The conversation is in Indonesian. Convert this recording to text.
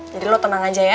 jadi lo tenang aja ya